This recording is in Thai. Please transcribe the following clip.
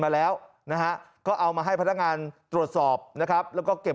มาแล้วนะฮะก็เอามาให้พนักงานตรวจสอบนะครับแล้วก็เก็บ